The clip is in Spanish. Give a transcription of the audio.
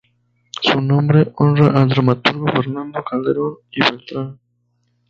Su nombre honra al dramaturgo Fernando Calderón y Beltrán.